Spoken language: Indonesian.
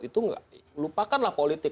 itu lupakanlah politik